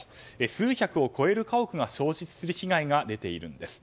数百を超える家屋が焼失する被害が出ているんです。